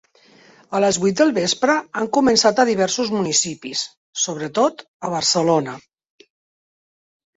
A les vuit del vespre han començat a diversos municipis, sobretot a Barcelona.